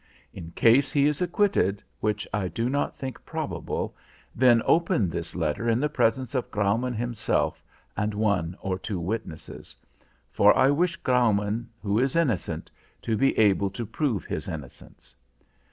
In case he is acquitted, which I do not think probable, then open this letter in the presence of Graumann himself and one or two witnesses. For I wish Graumann, who is innocent, to be able to prove his innocence.